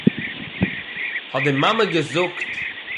האָט די מאַמע געזאָגט